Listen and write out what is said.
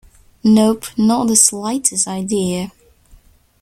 Nope, not the slightest idea.